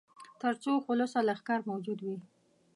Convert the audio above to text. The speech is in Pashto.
تر څو خلصه لښکر موجود وي.